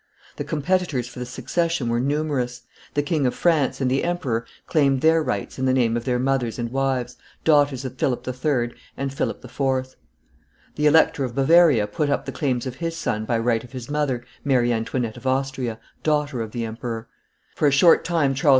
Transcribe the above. The competitors for the succession were numerous; the King of France and the emperor claimed their rights in the name of their mothers and wives, daughters of Philip III. and Philip IV.; the Elector of Bavaria put up the claims of his son by right of his mother, Mary Antoinette of Austria, daughter of the emperor; for a short time Charles II.